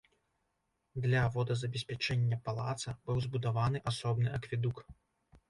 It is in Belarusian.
Для водазабеспячэння палаца быў збудаваны асобны акведук.